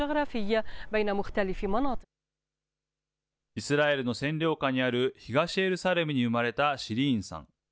イスラエルの占領下にある東エルサレムに生まれたシリーンさん。